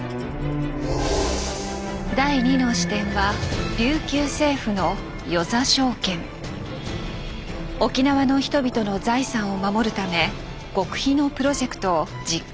第２の視点は沖縄の人々の財産を守るため極秘のプロジェクトを実行に移しました。